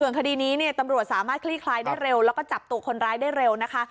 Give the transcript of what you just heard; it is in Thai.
คดีนี้เนี่ยตำรวจสามารถคลี่คลายได้เร็วแล้วก็จับตัวคนร้ายได้เร็วนะคะ